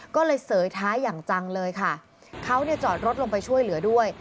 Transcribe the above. ก็เลยเสยท้ายอย่างจังเลยค่ะเขาเนี่ยจอดรถลงไปช่วยเหลือด้วย